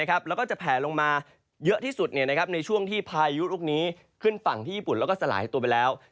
แล้วก็จะแผลลงมาเยอะที่สุดในช่วงที่พายุลูกนี้ขึ้นฝั่งที่ญี่ปุ่นแล้วก็สลายตัวไปแล้ว